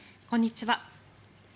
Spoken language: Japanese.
こんにちは。